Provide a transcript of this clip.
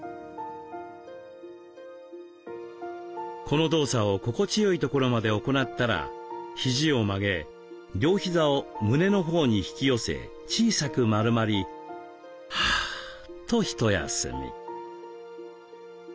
この動作を心地よいところまで行ったらひじを曲げ両ひざを胸のほうに引き寄せ小さく丸まりはぁとひと休み。